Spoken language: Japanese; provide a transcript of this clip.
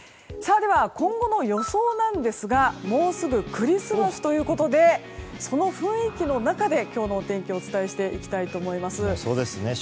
では、今後の予想なんですがもうすぐクリスマスということでその雰囲気の中で今日のお天気お伝えしていきたいと思います。